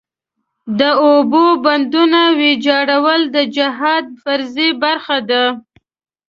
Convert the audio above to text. د اوبو بندونو ویجاړول د جهاد فریضې برخه ده.